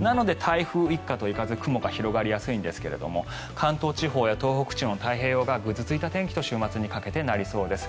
なので、台風一過といかず雲が広がりやすいんですが関東地方や東北地方の太平洋側は週末にかけてぐずついた天気となりそうです。